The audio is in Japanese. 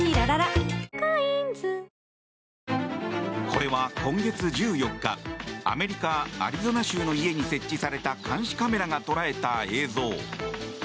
これは今月１４日、アメリカアリゾナ州の家に設置された監視カメラが捉えた映像。